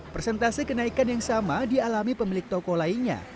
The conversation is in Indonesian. persentase kenaikan yang sama dialami pemilik toko lainnya